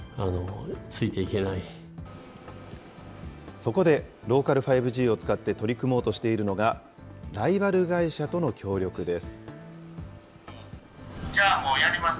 そこでローカル５Ｇを使って取り組もうとしているのが、ライバル会社との協力です。